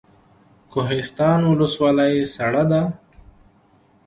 کوهستان ولسوالۍ سړه ده؟